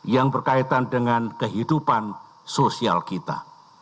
yang berkaitan dengan kehidupan sosial kita